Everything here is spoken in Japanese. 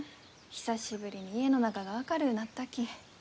久しぶりに家の中が明るうなったき。